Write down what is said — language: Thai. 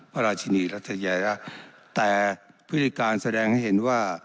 พระราชินีรัชยาแต่พฤติการแสดงให้เห็นว่า